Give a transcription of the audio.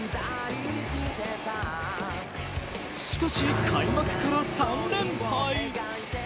しかし、開幕から３連敗。